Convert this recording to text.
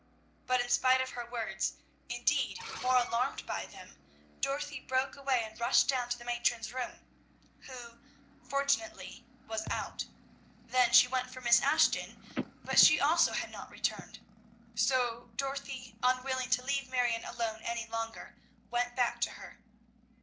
But in spite of her words, indeed more alarmed by them, Dorothy broke away and rushed down to the matron's room, who, fortunately, was out. Then she went for Miss Ashton, but she also had not returned. So Dorothy, unwilling to leave Marion alone any longer, went back to her.